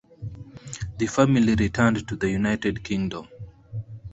The family returned to the United Kingdom.